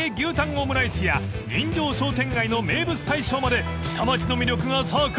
オムライスや人情商店街の名物大将まで下町の魅力が炸裂します］